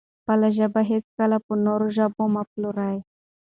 خپله ژبه هېڅکله په نورو ژبو مه پلورئ.